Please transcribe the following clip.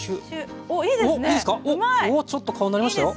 ちょっと顔になりましたよ。